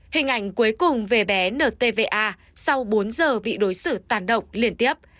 hình ảnh cuối cùng về bé ntva sau bốn giờ bị đối xử tàn động liên tiếp